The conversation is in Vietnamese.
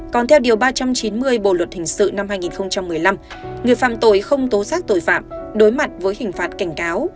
còn theo điều ba trăm chín mươi bộ luật hình sự năm hai nghìn một mươi năm người phạm tội không tố xác tội phạm đối mặt với hình phạt cảnh cáo